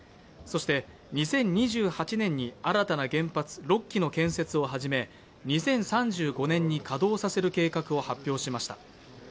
そして、２０２８年に新たな原発６基の建設を始め２０３５年に稼働させる計画を発表しました。